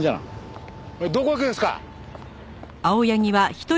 どこ行くんですか？